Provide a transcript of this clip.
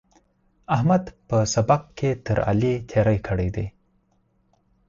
احمد په سبق کې تر علي تېری کړی دی.